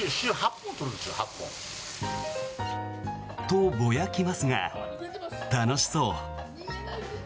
と、ぼやきますが楽しそう。